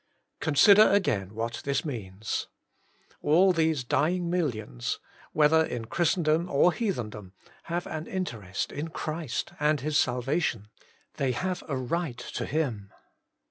Consider again what this means. All these dying millions, whether in Christen dom or heathendom, have an interest in Christ and His salvation. They have a right to Him.